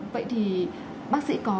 vậy thì bác sĩ có